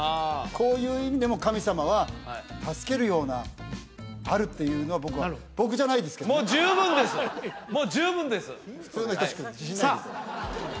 こういう意味でも神様は助けるようなあるっていうのは僕は僕じゃないですけどねもう十分ですもう十分です普通のヒトシ君で自信ないですさあ